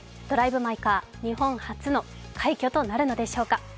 「ドライブ・マイ・カー」、日本初の快挙となるのでしょうか。